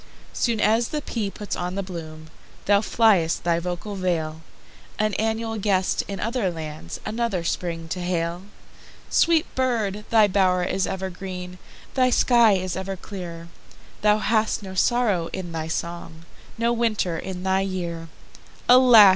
Soon as the pea puts on the bloom, Thou fly'st thy vocal vale, An annual guest, in other lands, Another Spring to hail. Sweet bird! thy bow'r is ever green, Thy sky is ever clear; Thou hast no sorrow in thy song, No winter in thy year! Alas!